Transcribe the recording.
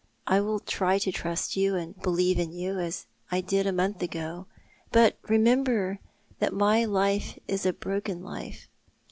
I will try to trust you aud believe in you as I did a mouth ago. But remember that my life is a broken life.